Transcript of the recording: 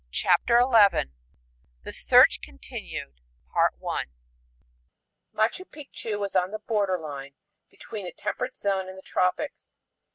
CHAPTER XI The Search Continued Machu Picchu is on the border line between the temperate zone and the tropics.